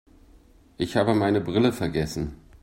Ich habe meine Brille vergessen.